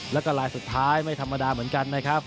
แล้วก็ลายสุดท้ายไม่ธรรมดาเหมือนกันนะครับ